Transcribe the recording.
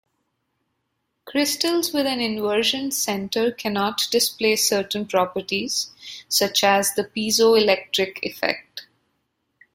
Crystals with an inversion center cannot display certain properties, such as the piezoelectric effect.